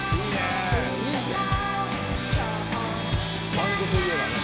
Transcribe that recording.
いいね。